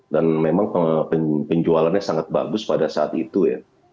dan memang penjualannya sangat bagus pada saat itu ya